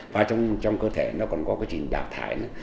và trong cơ thể nó còn có quá trình đào thải nữa